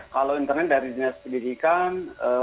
kalau internet dari dinas pendidikan